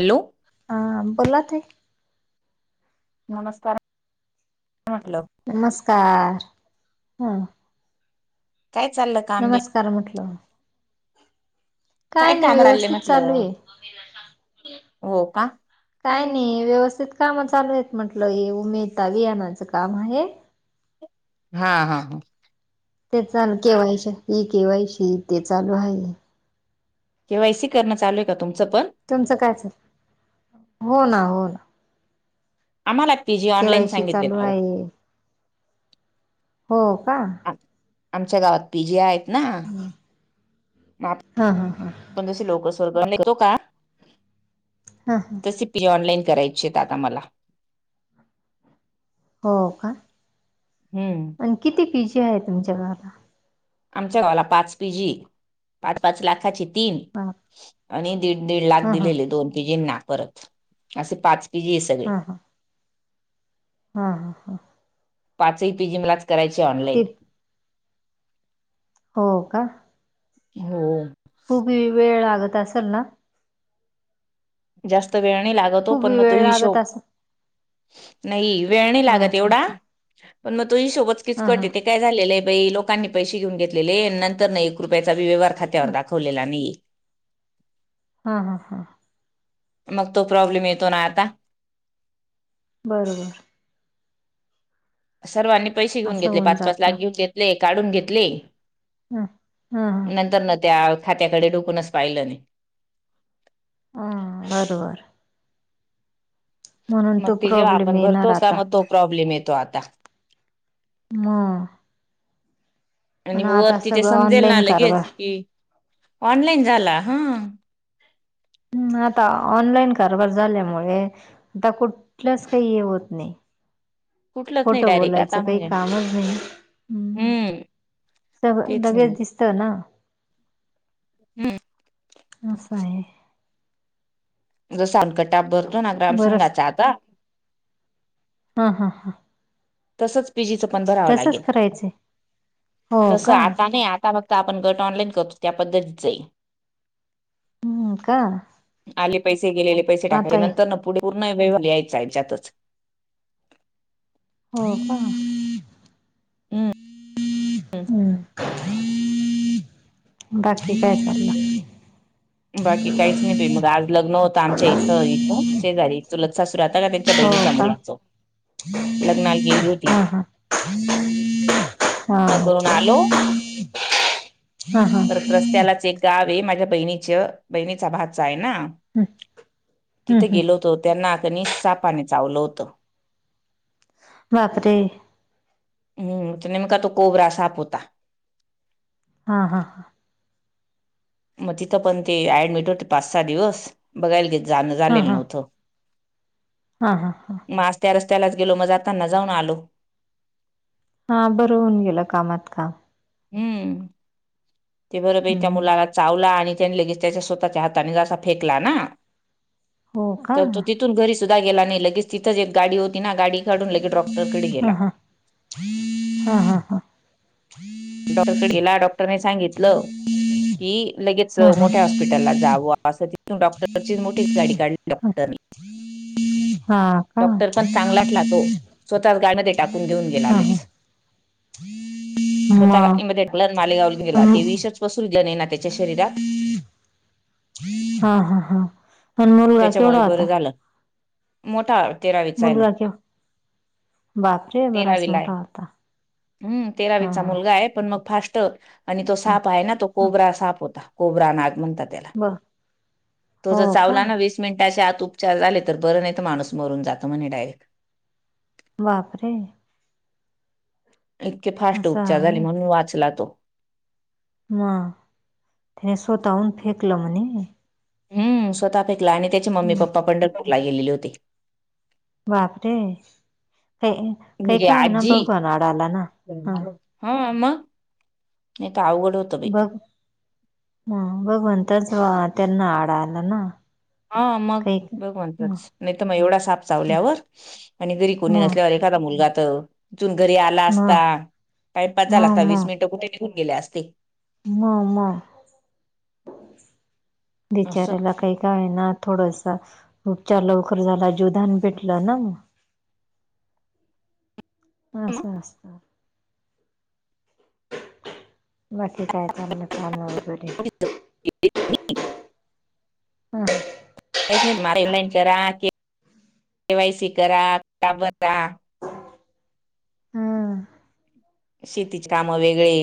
Hello. हा बोला ते. नमस्कार म्हटल. नमस्कार ह. काय चाल नमस्कार म्हटलं. काय नाही काम चालले व्यवस्थित चालू म्हटलं ये. हो का काय नाही व्यवस्थित काम चालू येत म्हंटलं उमेद बियानाचं काम आहे हां हां हां. ते चालू के वाय सी ही के वाय सी ते चालू आहे. के वाय सी करणं चालूय का तुमचं पण? तुमचं काय चाल, हो ना हो ना. आम्हाला PG K online Y C सांगितले चालू ना आहे. हो का? आमच्या गावात पी जे आहेत ना माप हा हा हा पण तशी लोक स्वर्ग तो [unintelligible] नेतो का. हां हां. तसे पी ऑनलाईन करायची आहेत आता मला. हो का? हम्म. आण किती पी जी आहे तुमच्या गावाला? आमच्या गावाला पाच पी जी ये पाच पाच लाखाची तीन. बाप आणि दीड दीड लाख हा हा दिलेले दोन पी जींना परत असे पाच पि जी सगळे. हा हा हा हा हा. पाचही पी जी मलाच करायची ते ऑनलाईन. हो का? हो. खूप वेळ लागत असलं ना? जास्त वेळ नाही लागतो खूप पण मग तो वेळ लागत हिशोब असं नाही वेळ नाही हा लागत हा एवढा, ह पण मग तो हिशोबचं हा हा किचकटय. काय झालेलं आहे बाई लोकांनी पैसे घेऊन घेतलेले नंतर न एक रुपयाचा व्यहार खात्यावर दाखवलेला नाही. हा हा हा. मग तो प्रॉब्लेम येतो ना आता. बरोबर. सर्वांनी पैसे घेऊन असं घेतले होऊन पाच पाच जात लाख घेऊन घेतले काढून घेतले. ह हा हा नंतर न त्या खात्याकडे डूकूनच पाहिलं नाही. हा बरोबर. म्हणून तो मग ते जेव्हा प्रॉब्लेम आपण येणार भरतो का आता मग तो प्रॉब्लेम येतो आता. हा. आणि मग वर तिथे सगळं समजेल ना ऑनलाईन कारभार लगेच कि ऑनलाईन झाला हा. हम्म आता ऑनलाईन कारभार झाल्यामुळे, आता कुठल्याच काही हे होत नाही. कुठलंच नाही खोटं डायरेक्ट आता बोलायचं काही म्हणजे कामच नाही, हम्म. हम्म सगळं तेच ना. लगेच दिसतं ना, हम्म असं आहे. जस [unintelligible] भरतो ना बरंच ग्रामसंंघाचा आता हा हा हां. तसंच पी जीचं पण भरावं लागेल. तसच करायचंय हो तसं का आता नाही, आता फक्त आपण गट ऑनलाईन करतो त्या पद्धतीचंय. हम्म का? आले पैसे गेलेले पैसे टाकायचे, आता ये नंतर ना पुढे पूर्ण वे लिहायचं याच्यात हो का? हम्म हम्म बाकी काय चाललं? बाकी काहीच नाही बाई, मग आज लग्न होतं आमच्या इथं इथं शेजारी. चुलत सासू राहता का त्यांच्या हो बहिणीच्या का मुलाचं. लग्नाला गेली होती. हा हा हा हा [unintelligible] आलो हा हा. हम्म परत रस्त्यालाच एक गाव आहे, माझ्या बहिणीचं बहिणीचा भाचा आहे ना. हम्म तिथे हम्म गेलो होतो, त्यांना क नई सापाने चावलं होतं. बापरे. हम्म, तर ने म का तो कोबरा साप होता. हा हा. मग तिथं पण ते ऍडमिट होते पाच सहा दिवस बघायल गे जाणं हा झालेलं नव्हतं. हा हा हा. मग आज त्या रस्त्यालाच गेलो मग जाताना जाऊन आलो. हा बरं होऊन गेलं, कामात काम. हम्म ते बर बई त्या हम्म मुलाला चावला. आणि त्याने लगेच त्याच्या स्वतःच्या हाताने जसा फेकला ना? हो का तर तो हा तिथून घरी सुद्धा गेला नाही? लगेच तिथंच एक गाडी होती ना? गाडी काढून लगेच डॉक्टर कडे गेला. हा [inaudible] हा हा हा [inaudible] [inaudible] डॉक्टरकडे गेला डॉक्टरने सांगितलं की? लगेच हा हा मोठ्या हॉस्पिटलला जावं असं तिथून डॉक्टरची मोठी गाडी काढली. डाॅ हा का डॉक्टर हा पण चांगलातलातो. स्वतःच गाडीमध्ये टाकून घेऊन गेला हा लगेच. स्वतः मग गाडीमध्ये टाकलं मालेगावला गेला ते विशच पसरू दिलं नाही ना त्याच्या शरीरात. [inaudible] हा हा हा पण मुलगा त्याच्यामुळे केवढा बरं होता? झालं मोठा तेराविचा य ना मुलगा केव बापरे! बराच मोठा होता. हम् हा तेरावीचा हा मुलगा आहे. पण मग फास्ट आणि तो हा साप आहे. ना तो कोबरा साप होता. कोबरा नाग म्हणतात ब [inaudible] तो ज हो का चावला ना वीस मिनटाच्या आत उपचार झाले. तर बरं नाहीेत माणूस मरून जात म्हणे डायरेक्ट बापरे! इतके फास्ट असं उपचार झाले. आहे म्हणून वाचला तो म [inaudible] ते स्वःतहुन फेकला म्हणे हम्म स्वतः फेकला? आणि त्याची मम्मी हं, पप्पा पंढरपूरला गेलेली होते? बापरे! काही काही म्हणजे का होईना आजी भगवान आडा आला ना हा हा म [inaudible] नाहीेत आवघड होत. बघ म भगवंतच त्यांना आडा आला ना? हा मग काही म भगवंतच नाहीत मग एवढा साप म चावल्यावर आणि घरी म कोणी नसल्यावर? एखादा मुलगा तर तीथुन घरी आला असता? म टाइमप म झाला असता? म वीस मिनिट कुठे? निघु गेले असते. म मग [inaudible] असं बिचऱ्याला काही का? होईना थोडसा उपचार लवकर झाला. जीवदान भेटलं ना? मग. अस अस [inaudible] नक्की काय चालं? काय माहीत वरी? [inaudible] ह [inaudible] आरेंजमेंट करा, ऑनलाईन करा, के वाय सी करा. हं [inaudible] शेतीचे कामं वेगळे?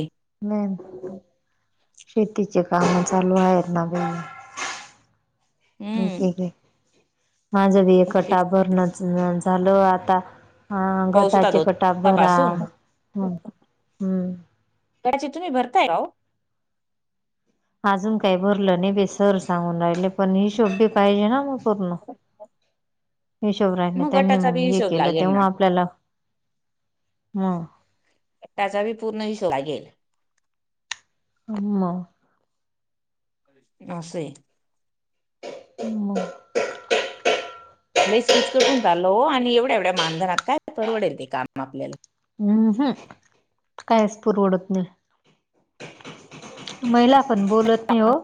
मग [inaudible] शेतीचे काम चालू आहेत ना बईन. [inaudible] हम्म मक माझं बी एक ते कटाबर नई हं झालय आता. हा पाऊस होता गटाचे दोन कटा भरा. दिवसापासून हम ह्म त्याचे तुम्ही? भरताय राव अजून काय भरलं नाही? बई सर सांगून राहिले पण हिशोब पाहिजे ना मग? पूर्ण हिशोबात मग त्यांनी गटाचा बी हे हिशोब केलं. त लागेल मग ना आपल्याला [inaudible] मग त्याचा बी पूर्ण हिशोब लागेल. हम्म मग अस ये हम्म लयच कीचकट होऊन चालल, हो आणि एवढ्या एवढ्या मानधनात काय परवडेल ते काम आपल्याला हम्म हम कायच पुरवडत नाही. महिला आपण बोलत नाही हो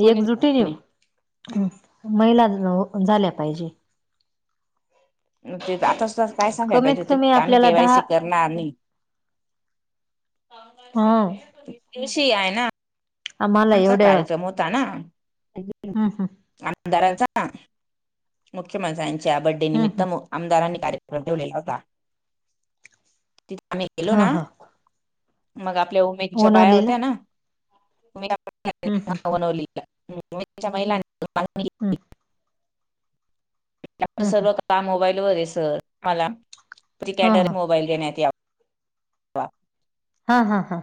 कोणी एकजुटीने नाही हम्म महिला हो झाल्या पाहिजे. ते आता सुद्धा काय सांगायला पाहिजे कमीत होत कमी की, आम्ही आपल्याला दहा केवायसी करणार नाही. हा दिवशी आहे ना आम्हाला आमचा एवढ्या कार्यक्रम होता ना हम्म हम्म आ आमदारांचा मुख्यमंत्र्यांच्या बड्डे हम्म निमित्त हम्म आमदारांनी कार्यक्रम ठेवलेला होता. तिथे आम्ही गेलो हा ना हा मग आपल्या उमेदच्या बाया ओनवलीला होत्या ना हम्म हम्म [unintelligible] हम्म हम्म सर्व हम्म काम मोबाईल वर आहे सर आ मला हा [unintelligible] मोबाईल देण्यात यावा हा हा हा.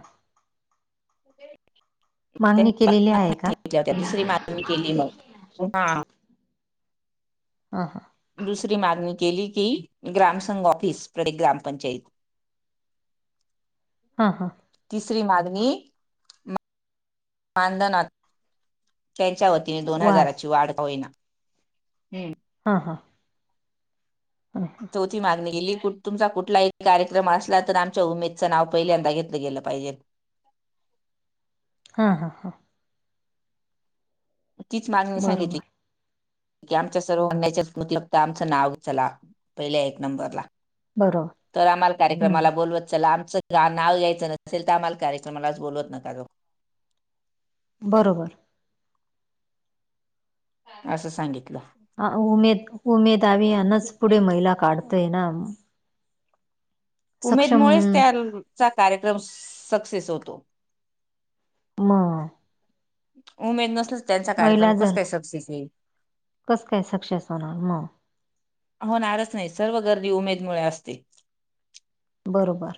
मागणी केलेली आहे का [unintelligible] ह हां. दुसरी मागणी केली की, ग्रामसंघ ऑफिस प्रतेक ग्रामपंचायत [inaudible] हां हां. तिसरी मागणी मानधनात त्यांच्या वतीने दोन हजाराची वाढ होईल. हा हां. हम्म ची मागणी केली तुमचा कुठलाही कार्यक्रम असला तर आमच्या उमेदचं नाव पहिल्यांदा घेतलं गेलं पाहिजे. हां हां हां. तीच मागणी सांगितली. बरोबर की आमच्या सर्व म्हणण्याच्या मतलब तर आमचं नाव चला पहिल्या एक नंबरला बरोबर तर आम्हाला कार्यक्रमाला हम्म बोलवत चला आमचं नाव यायचं नसेल तर, आम्हाला कार्यक्रमाला बोलवत नका जावू. बरोबर असं सांगितलं. आ उमेद उमेद हवी यांनाच पुढे महिला काढतय ना सक्षम उमेदमुळेच त्याचा कार्यक्रम सक्सेस होतो. मग उमेद नसल त्यांचा कार्यक्रम महिला कस जर काय सक्सेस होईल कस काय? सक्सेस होणार मग होणारच नाही. सर्व गर्दी उमेदमुळे असते. बरोबर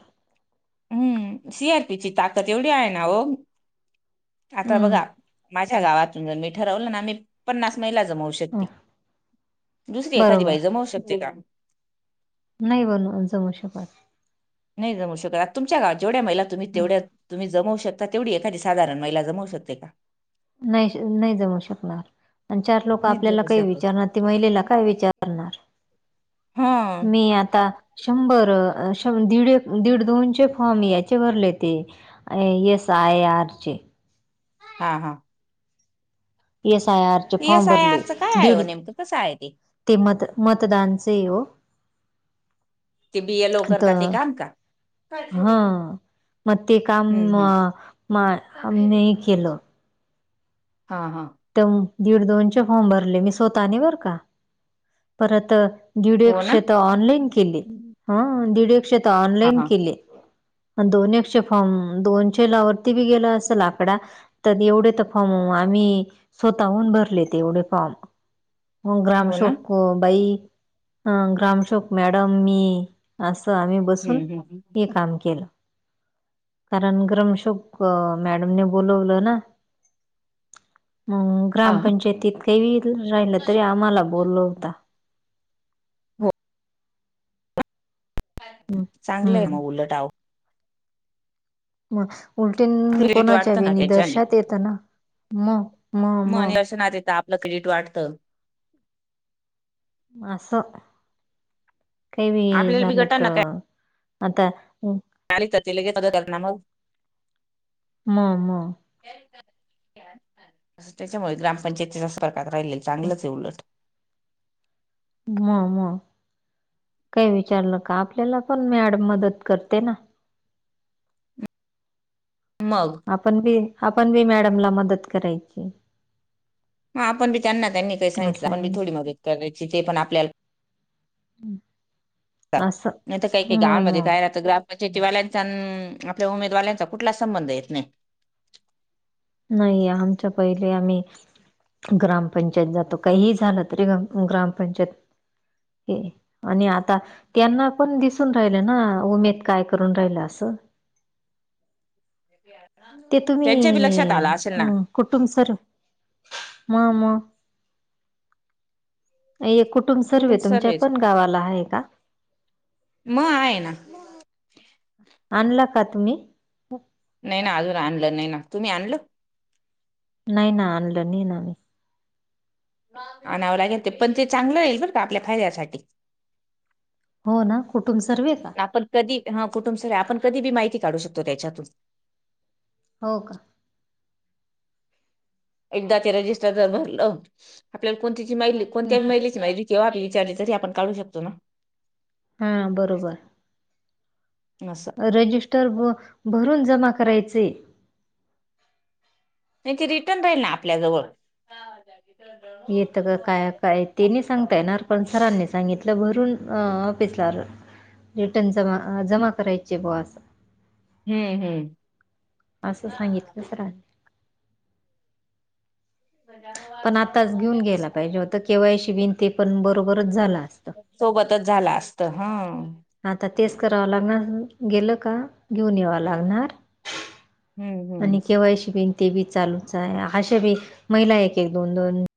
हम्म सी आर पी ची ताकद एवढी आहे ना हो, आता बघा हम्म माझ आमच्या गावातून जर मी ठरवलं ना, आम्ही पन्नास महिला जमवू श शकते. दुसरी एखादी बरोबर बाई जमवू शकते का? नाही बरोबर जमवू शकत. नाही जमवू शकत आणि तुमच्या गाव जेवढ्या महिला तुम्ही तेवढ्या तुम्ही जमवू शकता तेवढी एखादी साधारण महिला जमवू शकते का? नाही नाही जमू शकणार आन चार लोक नाही आपल्याला जमवू काही शकत विचारणार ते महिलेला काय विचार करणार? हा मी आता शंभर दीड दीड दोनचे फॉर्म याचे भरले ते अ एस. आय. आर. चे. हा हा. पी. एस. आय. आर. चे पी. Form S. आय. भरले आर. चं काय आहे वो दीड नेमकं कसं आहे ते? ते मत मतदानच आहे वो. ते बी. एल. ओ. करतात ते काम का? ह मग ते काम हम्म हम्म हाम नई केलं. हा हा. त दीड दोनचे फॉर्म भरले मी स्वतःने बर का. परत दीड हो एकशे त ऑनलाईन केले ना हा दीड एकशे त हा ऑनलाईन हा केले. पण दोन ऐकशे फॉर्म दोनशेला वरती बी गेला असल आकडा त्यात एवढे तर फॉर्म आम्ही स्वतःहून भरले ते एवढे फॉर्म. [inaudible] हो ना ग्रामसेवक बाई ह ग्रामसेवक मॅडम मी असं आम्ही बसून हम्म हम्म हे काम केलं. कारण ग्रमसेवक मॅडमने बोलवलं ना. मग हा हा. ग्रामपंचायतीत काही वेगळं येऊन राहिलं तरी आम्हाला बोलवता. हो. हम्म चांगलंय हम्म. म उलट आओ म उलटीन क्रेडिट कोणाच्या वाढतं बी ना त्याच्याने नीदर्शात येतं ना म म म सूचना देता आपल क्रेडिट वाढतं म असं काही बी आपल्याला झालं त गटांना काय आता हम आली तर ती लगेच [inaudible] म म त्याच्यामुळे ग्रामपंचायतीच्या संपर्कात राहिलल चांगलंच आहे उलट. म म काय विचारलं का आपल्याला पण मॅडम मदत करते ना मग आपण बी आपण बी मॅडमला मदत करायची. हा आपण बी त्यांना त्यांनी काही सांगितलं असं आपण आहे थोडी मदत करायची ते पण आपल्याला असं नाही तर काही काही म गावांमध्ये म काय राहत गवाण शेतीवाल्यांचान आपल्या उमेदवाल्यांचा कुठलाच संबंध येत नाही. नाही आमच्या पहिले आम्ही ग्रामपंचायतीत जातो काहीही झालं तरी ग्रामपंचायत [inaudible] हे आणि आता त्यांना पण दिसून राहिल ना उमेद काय करून राहिला असं. त्यांच्या बी लक्षात आल असेल ना कुटूंब सर म म ये कुटुंब सर्वे तुमच्या पण गावाला आहे का? म आहे ना. आणला का तुम्ही? नई ना अजून आणलं नाही ना. तुम्ही आणलं? नाही ना आणलं नाही ना. आणावं लागेल ते पण ते चांगलं ये बर का आपल्या फायद्यासाठी. हो ना कुटूंब सर्वे का? आपण कधी हा कुटुंब सर्वे ये आपण कधी बी माहिती काढू शकतो त्याच्यातून. हो का एकदा ते रजिस्टर जर भरलं आपल्याला कोणती् याची माहिली कोणत्या मैलीची माहि किंवा आपली विचारले तरी आपण काढू शकतो ना हा बरोबर असा हाय रजिस्टर ब भरून जमा करायचे. नाही ते रिटर्न राहील ना आपल्याजवळ हा येतं ग काय काय ते नाही सांगता यणार पण सरांनी सांगितलं भरून अ ऑफिसला रिटर्न जमा जमा करायचे बो आज हम्म हम्म असं सांगितलं सरांनी. पण आताच घेऊन गेला पाहिजे होता केवायशि बीन ते पण बरोबरच झालं असत. सोबतच झाला असत हा आता तेच करावं लागणार गेलं का घेऊन यावं लागणार हम्म हम्म आणि केवायशि बि ते बी चालूच आहे अशा बी महिला एक एक दोन दोन